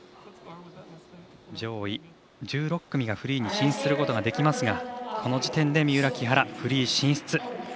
上位１６組がフリーに進出することができますがこの時点で、三浦、木原フリー進出。